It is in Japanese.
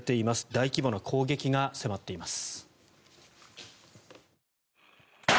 大規模な攻撃が迫っています。